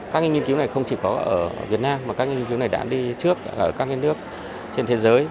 các nghiên cứu này không chỉ có ở việt nam mà các nghiên cứu này đã đi trước ở các nước trên thế giới